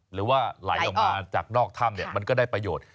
หรือว่าไหลออกมาจากนอกถ้ำมันก็ได้ประโยชน์